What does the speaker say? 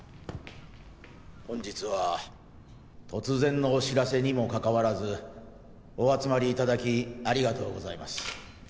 本日は突然のお知らせにもかかわらずお集まり頂きありがとうございます。